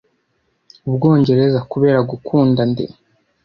Ubwongereza, kubera gukunda nde